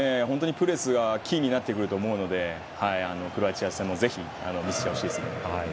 プレスがキーになると思いますのでクロアチア戦でも見せてほしいです。